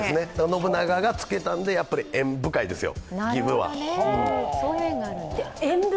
信長がつけたんでやっぱり縁深いですよ。